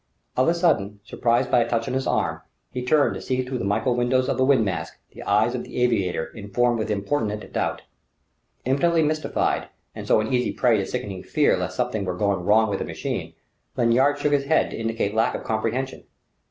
Of a sudden, surprised by a touch on his arm, he turned to see through the mica windows of the wind mask the eyes of the aviator informed with importunate doubt. Infinitely mystified and so an easy prey to sickening fear lest something were going wrong with the machine, Lanyard shook his head to indicate lack of comprehension.